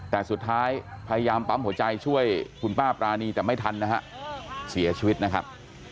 แต่สุดท้ายพยายามปั๊มหัวใจช่วยคุณป้าปรานีแต่ไม่ทันนะฮะเสียชีวิตนะครับ